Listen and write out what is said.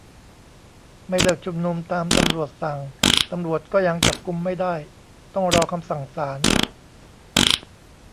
ไม่เลิกชุมนุมตามตำรวจสั่ง ตำรวจก็ยังจับกุมไม่ได้ ต้องรอคำสั่งศาล